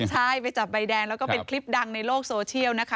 ใช่ไปจับใบแดงแล้วก็เป็นคลิปดังในโลกโซเชียลนะคะ